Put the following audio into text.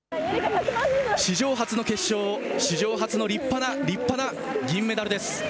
史上初の決勝、史上初の立派な立派な銀メダルです。